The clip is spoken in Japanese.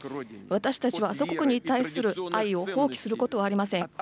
私たちは祖国に対する愛を放棄することはありません。